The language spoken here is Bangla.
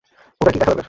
ওটা কী, দেখা দরকার।